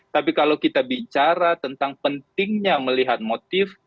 tapi kalau kita bicara tentang pentingnya melihat motif